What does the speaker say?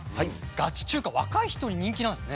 ガチ中華若い人に人気なんですね。